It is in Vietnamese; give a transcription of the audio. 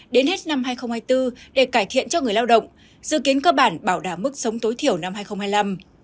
đến hết năm hai nghìn hai mươi bốn để cải thiện cho người lao động dự kiến cơ bản bảo đảm mức sống tối thiểu năm hai nghìn hai mươi năm